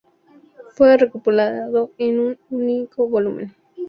Fue recopilado en un único volumen.